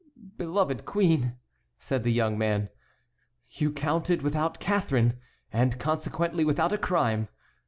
"Beloved queen!" said the young man, "you counted without Catharine, and consequently without a crime.